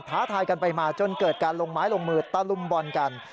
ท้าทายกันไปมาจนเกิดการลงไม้ลงมือตะลุมบอลกัน